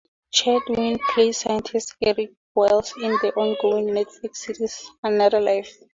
Chatwin plays scientist Erik Wallace in the ongoing Netflix series "Another Life".